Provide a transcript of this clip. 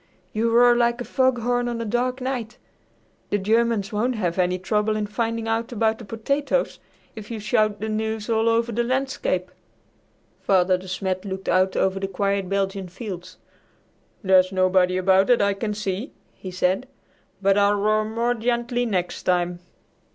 "You roar like a foghorn on a dark night. The Germans won't have any trouble in finding out about the potatoes if you shout the news all over the landscape." Father De Smet looked out over the quiet Belgian fields. "There's nobody about that I can see," he said, "but I'll roar more gently next time."